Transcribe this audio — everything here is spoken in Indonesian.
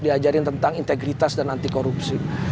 diajarin tentang integritas dan anti korupsi